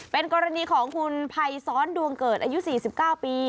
เป็นกรณีของคุณภัยซ้อนดวงเกิดอายุ๔๙ปี